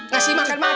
ngasih makan macan